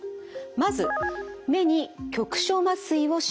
まず目に局所麻酔をします。